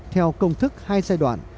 theo công thức hai giai đoạn